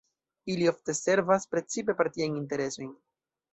Ili ofte servas precipe partiajn interesojn.